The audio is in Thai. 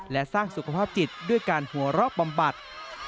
และสร้างสุขภาพจิตด้วยการหัวรอบประมบัติ